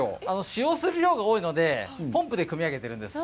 使用する量が多いのでポンプでくみ上げているんです。